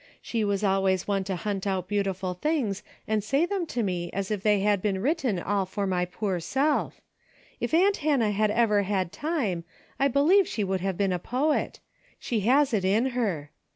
She was always one to hunt out beau tiful things and say them to me as if they had been written all for my poor self. If aunt Hannah had ever had time, I believe she would have been a poet. She has it in her.